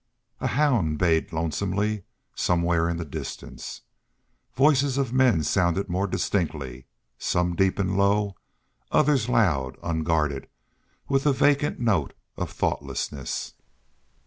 A hound bayed lonesomely somewhere in the distance. Voices of men sounded more distinctly, some deep and low, others loud, unguarded, with the vacant note of thoughtlessness.